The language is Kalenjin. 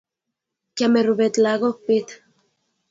Kiame rubet lagok beet